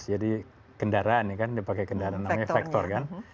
jadi kendaraan dia pakai kendaraan namanya vector